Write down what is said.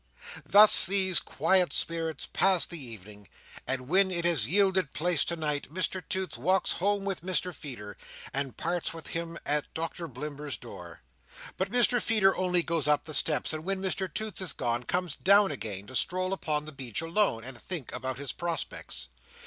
Thus these quiet spirits pass the evening; and when it has yielded place to night, Mr Toots walks home with Mr Feeder, and parts with him at Doctor Blimber's door. But Mr Feeder only goes up the steps, and when Mr Toots is gone, comes down again, to stroll upon the beach alone, and think about his prospects.